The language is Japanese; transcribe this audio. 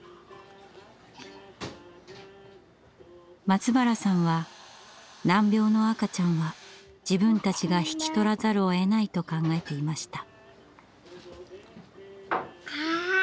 松原さんは難病の赤ちゃんは自分たちが引き取らざるをえないと考えていました。